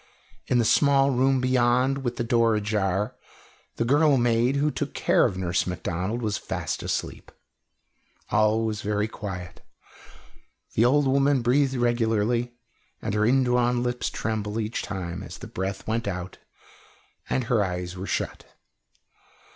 In the small room beyond, with the door ajar, the girl maid who took care of Nurse Macdonald was fast asleep. All was very quiet. The old woman breathed regularly, and her indrawn lips trembled each time as the breath went out, and her eyes were shut.